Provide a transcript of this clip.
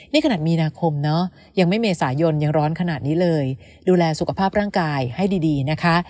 นี่ขนาดมีนาคมเนอะยังไม่เมษายนยังร้อนขนาดนี้เลยดูแลสุขภาพร่างกายให้ดีนะคะ